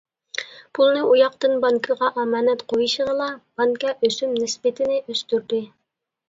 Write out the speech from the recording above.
پۇلنى ئۇياقتىن بانكىغا ئامانەت قويۇشىغىلا، بانكا ئۆسۈم نىسبىتىنى ئۆستۈردى.